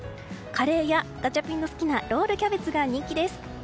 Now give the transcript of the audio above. カレーやガチャピンの好きなロールキャベツが人気です。